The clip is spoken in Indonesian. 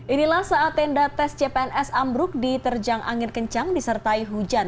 inilah saat tenda tes cpns ambruk diterjang angin kencang disertai hujan